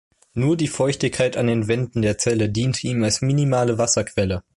Nur die Feuchtigkeit an den Wänden der Zelle diente ihm als minimale Wasserquelle.